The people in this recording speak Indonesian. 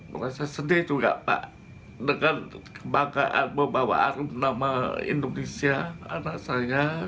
merasa sedih juga pak dengan kebanggaan membawa arus nama indonesia anak saya